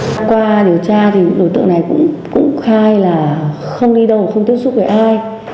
đa qua điều tra thì nội tượng này cũng khai là không đi đâu không tiếp xúc với ai